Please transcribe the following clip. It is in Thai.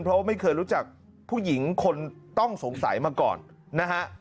เพราะว่าไม่เคยรู้จักผู้หญิงคนต้องสงสัยมาก่อนนะฮะ